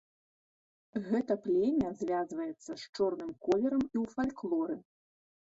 Гэта племя звязваецца з чорным колерам і ў фальклоры.